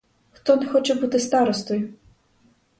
Хто не хоче бути старостою?